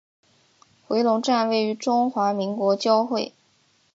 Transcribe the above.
回龙站位于中华民国交会。